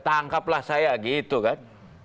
tangkaplah saya gitu kan